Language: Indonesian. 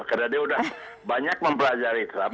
karena dia sudah banyak mempelajari trump